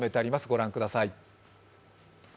ご覧ください。